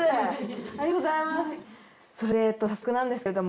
それで早速なんですけれども。